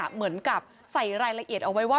เหมือนกับใส่รายละเอียดเอาไว้ว่า